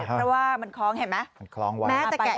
เพราะว่ามันคล้องเห็นไหม